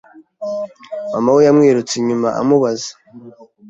Mama we yamwirutse inyuma amubaza